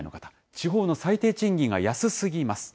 地方の最低賃金が安すぎます。